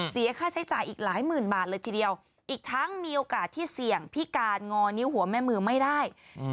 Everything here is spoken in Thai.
เสียค่าใช้จ่ายอีกหลายหมื่นบาทเลยทีเดียวอีกทั้งมีโอกาสที่เสี่ยงพิการงอนิ้วหัวแม่มือไม่ได้